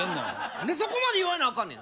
何でそこまで言われなあかんねん！